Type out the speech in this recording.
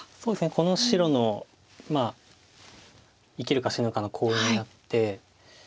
この白の生きるか死ぬかのコウになって。